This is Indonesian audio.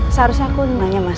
seharusnya aku nanya mas